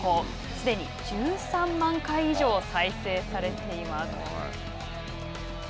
すでに１３万回以上再生されています。